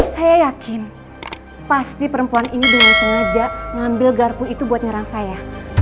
saya yakin pasti perempuan ini dengan sengaja ngambil garpu itu buat nyerang saya